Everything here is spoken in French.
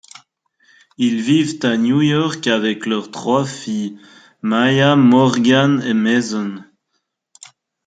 Ils vivent à New York avec leurs trois filles; Mia, Morgan et Mason.